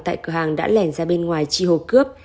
tại cửa hàng đã lẻn ra bên ngoài chi hồ cướp